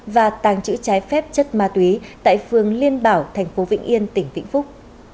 và tàng trữ trái phép chất ma túy tại phường liên bảo tp vn tỉnh vĩnh phúc